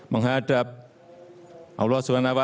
menghadap kepergian almarhumah dan kesabaran